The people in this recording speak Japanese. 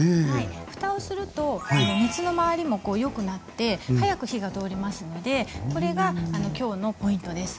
ふたをすると熱の回りもよくなって早く火が通りますのでこれが今日のポイントです。